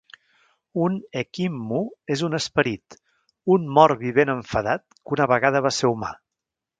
Un ekimmu és un esperit, un mort vivent enfadat, que una vegada va ser humà.